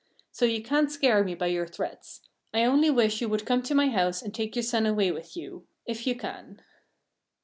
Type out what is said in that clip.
"So you can't scare me by your threats. I only wish you would come to my house and take your son away with you if you can."